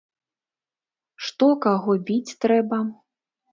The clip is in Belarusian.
Што, каго біць трэба?